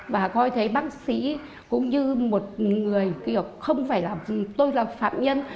và coi thế bác sĩ cũng như một người kiểu không phải là tôi là phạm nhân